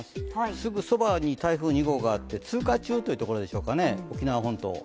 すぐそばに台風２号があって、通過中といったところですかね、沖縄本島を。